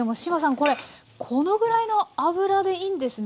これこのぐらいの油でいいんですね。